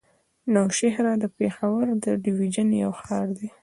نوشهره د پېښور ډويژن يو ښار دی.